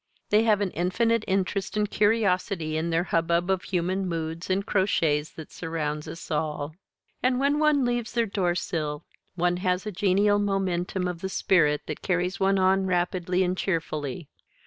They have an infinite interest and curiosity in the hubbub of human moods and crotchets that surrounds us all. And when one leaves their doorsill one has a genial momentum of the spirit that carries one on rapidly and cheerfully.